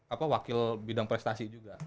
apa wakil bidang prestasi juga